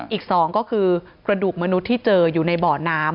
อีก๒ก็คือกระดูกมนุษย์ที่เจออยู่ในบ่อน้ำ